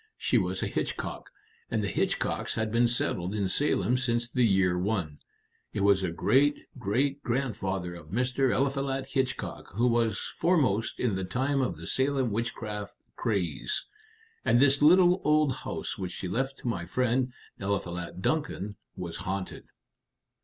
She was a Hitchcock, and the Hitchcocks had been settled in Salem since the year 1. It was a great great grandfather of Mr. Eliphalet Hitchcock who was foremost in the time of the Salem witchcraft craze. And this little old house which she left to my friend, Eliphalet Duncan, was haunted."